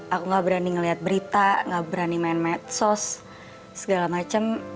aku gak berani ngeliat berita gak berani main medsos segala macam